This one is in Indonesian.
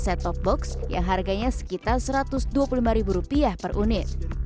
masyarakat harus membeli set top box yang harganya sekitar rp satu ratus dua puluh lima per unit